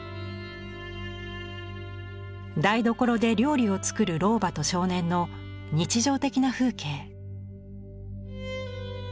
台所で料理を作る老婆と少年の日常的な風景。